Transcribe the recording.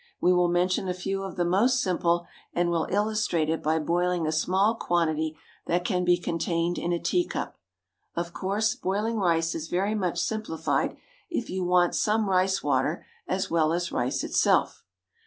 We will mention a few of the most simple, and will illustrate it by boiling a small quantity that can be contained in a teacup. Of course, boiling rice is very much simplified if you want some rice water as well as rice itself.